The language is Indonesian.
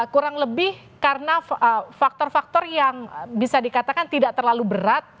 kurang lebih karena faktor faktor yang bisa dikatakan tidak terlalu berat